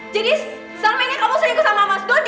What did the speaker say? jadi selama ini kamu sering ikut sama mas dodi